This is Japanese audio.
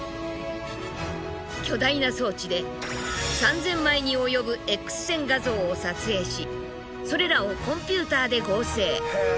巨大な装置で３，０００枚に及ぶＸ線画像を撮影しそれらをコンピューターで合成。